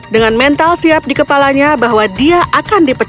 dengan mental siap di kepalanya bahwa dia akan dipecah